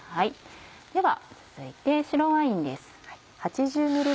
では続いて白ワインです。